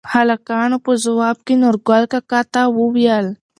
هلکانو په ځواب کې نورګل کاکا ته ووېل: